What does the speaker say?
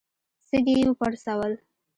سږي يې وپړسول.